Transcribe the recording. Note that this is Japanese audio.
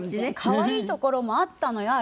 可愛いところもあったのよ